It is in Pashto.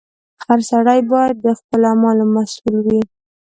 • هر سړی باید د خپلو اعمالو مسؤل وي.